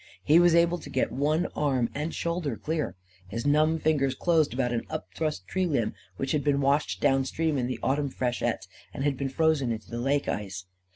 He was able to get one arm and shoulder clear. His numb fingers closed about an upthrust tree limb which had been washed down stream in the autumn freshets and had been frozen into the lake ice.